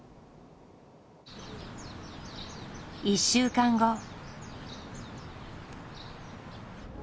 １週間後。